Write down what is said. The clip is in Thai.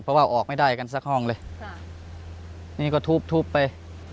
เพราะว่าออกไม่ได้กันสักห้องเลยค่ะนี่ก็ทุบทุบไป